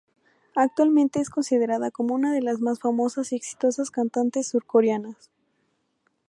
Actualmente es considerada como una de las más famosas y exitosas cantantes surcoreanas.